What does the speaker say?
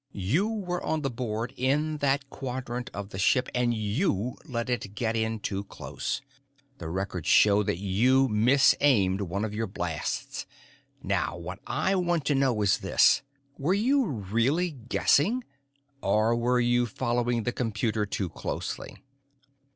You were on the board in that quadrant of the ship, and you let it get in too close. The records show that you mis aimed one of your blasts. Now, what I want to know is this: were you really guessing or were you following the computer too closely?"